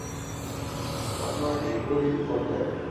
বর্ণনাটি গরীব পর্যায়ের।